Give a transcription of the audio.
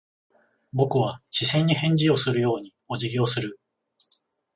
僕は視線に返事をするようにお辞儀をする。